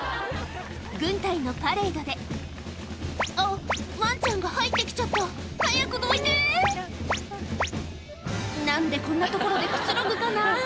軍隊のパレードであっワンちゃんが入って来ちゃった早くどいて何でこんな所でくつろぐかな？